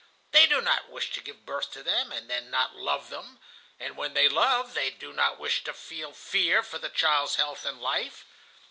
They do not wish to give birth to them, and then not love them; and when they love, they do not wish to feel fear for the child's health and life.